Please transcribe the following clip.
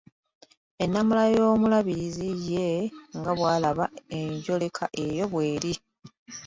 Ennamula y’omuluubirizi ye nga bw’alaba enjoleka eyo bw’eri.